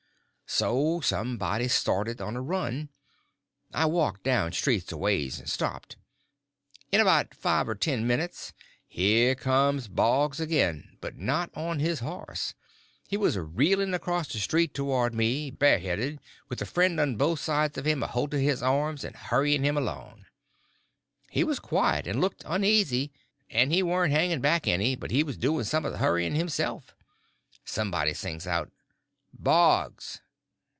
So somebody started on a run. I walked down street a ways and stopped. In about five or ten minutes here comes Boggs again, but not on his horse. He was a reeling across the street towards me, bare headed, with a friend on both sides of him a holt of his arms and hurrying him along. He was quiet, and looked uneasy; and he warn't hanging back any, but was doing some of the hurrying himself. Somebody sings out: "Boggs!"